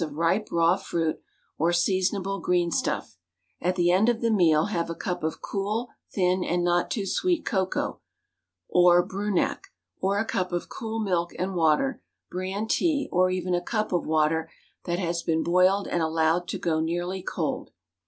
of ripe, raw fruit, or seasonable green stuff; at the end of the meal have a cup of cool, thin, and not too sweet cocoa, or Brunak, or a cup of cool milk and water, bran tea, or even a cup of water that has been boiled and allowed to go nearly cold.